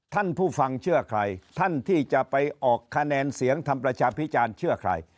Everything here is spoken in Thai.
ท่านผู้ฟังเชื่อใครท่านที่จะไปออกคะแนนเสียงทำประชาพิจารณ์เชื่อใคร